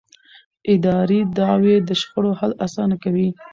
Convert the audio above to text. اداري دعوې د شخړو حل اسانه کوي.